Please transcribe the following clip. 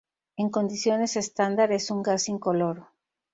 En condiciones estándar es un gas incoloro.